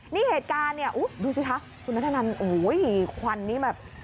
นี่เหตุการณ์เนี่ยดูสิคะคุณนัทธนันโอ้โหควันนี้แบบ